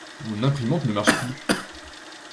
Mon imprimante ne marche plus.